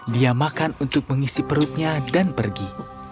dia makan untuk mengisi perutnya dan pergi